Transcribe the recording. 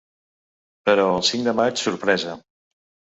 Però el cinc de maig, sorpresa.